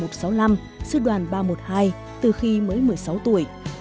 từ năm một nghìn chín trăm sáu mươi năm sư đoàn ba trăm một mươi hai từ khi mới một mươi sáu tuổi